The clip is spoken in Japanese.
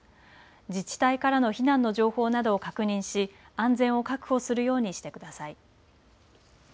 自治体からの避難の情報などを確認し安全を確保するようにしてください。